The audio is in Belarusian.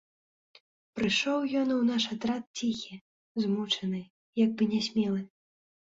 Прыйшоў ён у наш атрад ціхі, змучаны, як бы нясмелы.